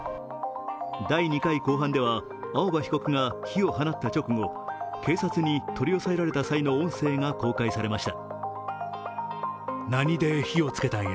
第２回公判では青葉被告が火を放った直後、警察に取り押さえられた際の音声が公開されました。